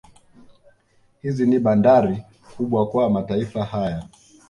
Hizi ni bandari kubwa kwa mataifa haya